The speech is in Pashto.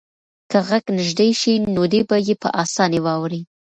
که غږ نږدې شي نو دی به یې په اسانۍ واوري.